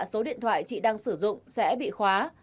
số điện thoại chị đang sử dụng sẽ bị khóa